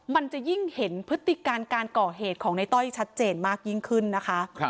มันจะยิ่งเห็นพฤติการการก่อเหตุของในต้อยชัดเจนมากยิ่งขึ้นนะคะ